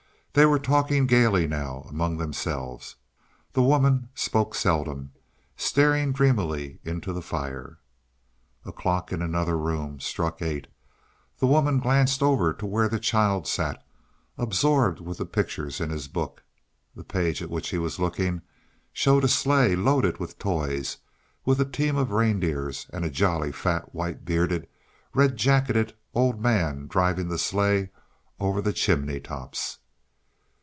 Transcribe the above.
They were talking gaily now among themselves. The woman spoke seldom, staring dreamily into the fire. A clock in another room struck eight; the woman glanced over to where the child sat, absorbed with the pictures in his book. The page at which he was looking showed a sleigh loaded with toys, with a team of reindeers and a jolly, fat, white bearded, red jacketed old man driving the sleigh over the chimney tops.